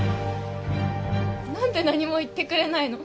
何で何も言ってくれないの？